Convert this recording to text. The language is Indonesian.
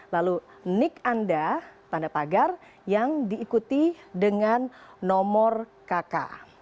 lalu nik anda tanda pagar yang diikuti dengan nomor kk